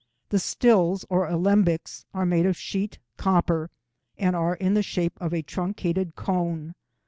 The stills, or alembics, are made of sheet copper, and are in the shape of a truncated cone.